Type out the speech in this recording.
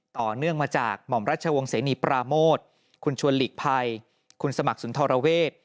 ต่อเนื่องมาจากหม่อมรัชวงศ์เสนีปราโมทคุณชวนหลีกภัยคุณสมัครสุนทรเวท